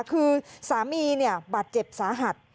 คือสามีบาดเจ็บสาหัส